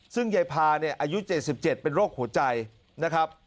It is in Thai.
ซึ่งยายพาเนี่ยอายุ๗๗เป็นโรคหัวใจนะครับ